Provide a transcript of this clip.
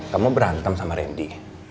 kamu berantem sama randy